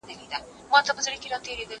لوبي وکړه!